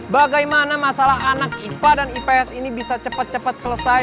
bagaimana masalah anak ipa dan ips ini bisa cepat cepat selesai